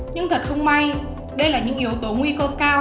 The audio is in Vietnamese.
nhưng thật không may đây là những yếu tố nguy cơ cao